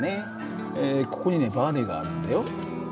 ここにねバネがあるんだよ。